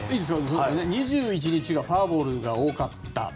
２１日がフォアボールが多かった。